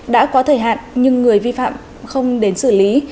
đã có thời hạn nhưng người vi phạm không đến xử lý